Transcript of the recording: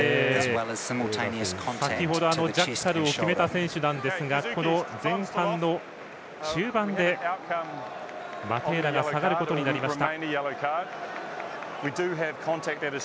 先ほどジャッカルを決めた選手ですがこの前半の中盤でマテーラが下がることになりました。